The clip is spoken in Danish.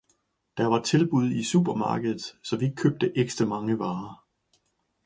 Der var tilbud i supermarkedet, så vi købte ekstra mange varer.